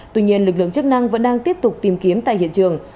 tuy nhiên lực lượng chức năng vẫn đang tiếp tục tìm kiếm tại hiện trường